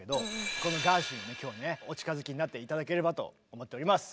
このガーシュウィンに今日はねお近づきになって頂ければと思っております。